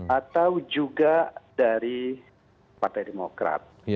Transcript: atau juga dari partai demokrat